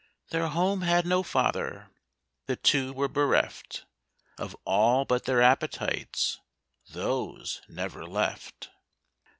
Their home had no father the two were bereft Of all but their appetites those never left!